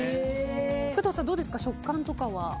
工藤さん、どうですか食感とかは。